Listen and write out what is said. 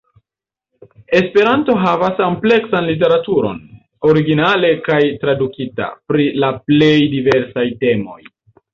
Esperanto havas ampleksan literaturon, originale kaj tradukita, pri la plej diversaj temoj.